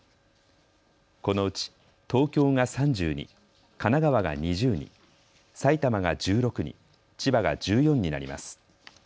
このうち東京が３０に、神奈川が２０に、埼玉が１６に、千葉が１４になります。